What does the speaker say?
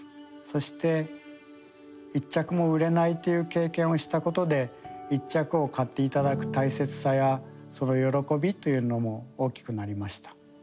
そして１着も売れないという経験をしたことで１着を買って頂く大切さやその喜びというのも大きくなりました。